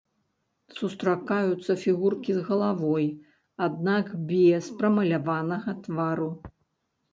Сустракаюцца фігуркі з галавой, аднак без прамаляванага твару.